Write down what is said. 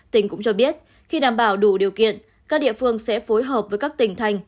tỉnh cũng cho biết khi đảm bảo đủ điều kiện các địa phương sẽ phối hợp với các tỉnh thành